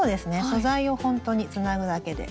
素材をほんとにつなぐだけで。